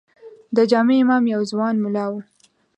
د جامع امام یو ځوان ملا و.